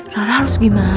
rara harus gimana ya